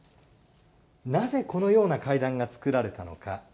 なぜ、このような階段がつくられたのか。